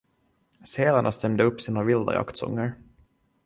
Sälarna stämde upp sina vilda jaktsånger.